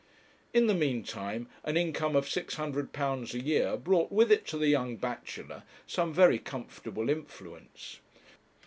In the meantime an income of £600 a year brought with it to the young bachelor some very comfortable influence.